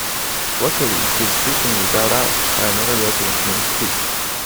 Luckily he is frequently bailed out by another resident named Coop.